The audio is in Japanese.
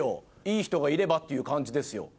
いい人がいればっていう感じですよ。